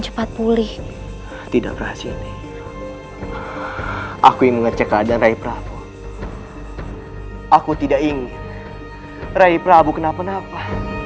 cepat pulih tidak berhasil aku ingin rai prabu aku tidak ingin rai prabu kenapa napa